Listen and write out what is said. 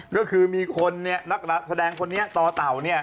ก็คือมีคนเนี่ยนักแสดงคนนี้ต่อเต่าเนี่ย